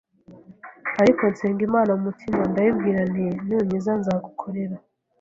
ariko nsenga Imana mu mutima ndayibwira nti nunkiza nzagukorera,